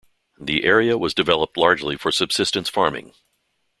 The area was developed largely for subsistence farming.